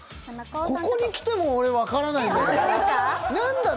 ここに来ても俺分からないんだけど何だろ？